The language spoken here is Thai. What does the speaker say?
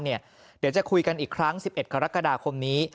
เดี๋ยวจะคุยกันอีกครั้ง๑๑กรกฎาคมนี้